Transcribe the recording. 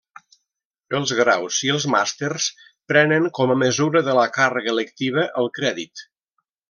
Els graus i els màsters prenen com a mesura de la càrrega lectiva el crèdit.